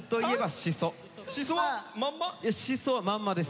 しそはまんまです。